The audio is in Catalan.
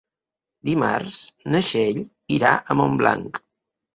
Dimarts na Txell irà a Montblanc.